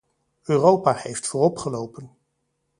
Europa heeft vooropgelopen.